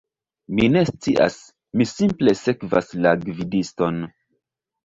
Mi ne scias, mi simple sekvas la gvidiston